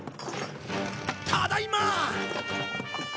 ただいま！